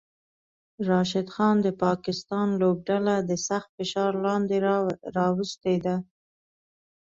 راشد خان د پاکستان لوبډله د سخت فشار لاندې راوستی ده